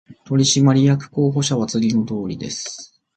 取締役候補者は次のとおりです